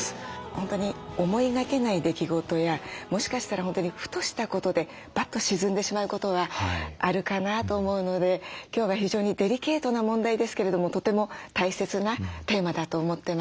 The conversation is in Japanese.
本当に思いがけない出来事やもしかしたら本当にふとしたことでばっと沈んでしまうことはあるかなと思うので今日は非常にデリケートな問題ですけれどもとても大切なテーマだと思ってます。